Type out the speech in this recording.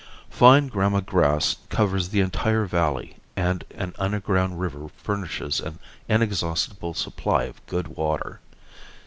Fine gramma grass covers the entire valley and an underground river furnishes an inexhaustible supply of good water.